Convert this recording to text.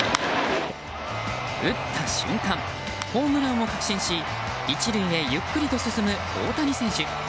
打った瞬間、ホームランを確信し１塁へ、ゆっくりと進む大谷選手。